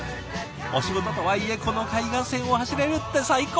お仕事とはいえこの海岸線を走れるって最高！